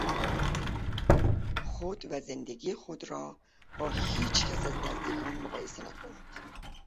خود و زندگی خود را با هیچ کس از نزدیکان مقایسه نکنید.